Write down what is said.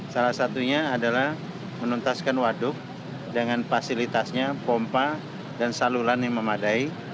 salah satunya adalah menuntaskan waduk dengan fasilitasnya pompa dan saluran yang memadai